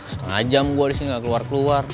setengah jam gue di sini nggak keluar keluar